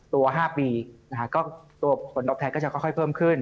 ตัว๕ปีตัวผลตอบแทนก็จะค่อยเพิ่มขึ้น